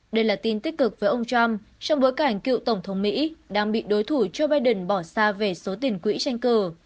đây là tin tích cực với ông trump trong bối cảnh cựu tổng thống mỹ đang bị đối thủ joe biden bỏ xa về số tiền quỹ tranh cử